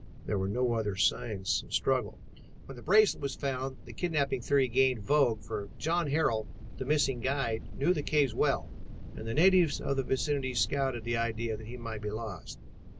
There were no other signs of a struggle. "When the bracelet was found, the kidnapping theory gained vogue, for John Harrel, the missing guide, knew the cave well and natives of the vicinity scouted the idea that he might be lost.